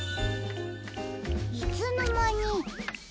いつのまに。